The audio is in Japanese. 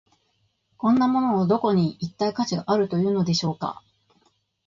こんなもののどこに、一体価値があるというのでしょうか。